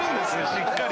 しっかり。